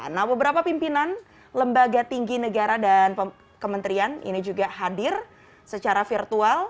nah beberapa pimpinan lembaga tinggi negara dan kementerian ini juga hadir secara virtual